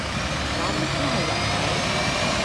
我唔知係人名